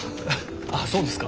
あっそうですか。